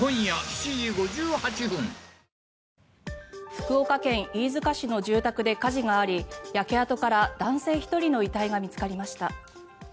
福岡県飯塚市の住宅で火事があり焼け跡から男性１人の遺体が見つかりました。